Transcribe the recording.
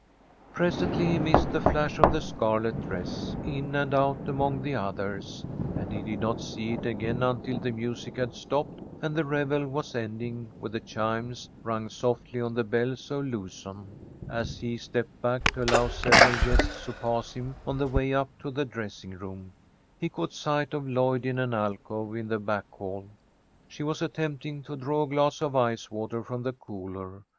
Presently he missed the flash of the scarlet dress, in and out among the others, and he did not see it again until the music had stopped and the revel was ending with the chimes, rung softly on the Bells of Luzon. As he stepped back to allow several guests to pass him on the way up to the dressing room, he caught sight of Lloyd in an alcove in the back hall. She was attempting to draw a glass of ice water from the cooler.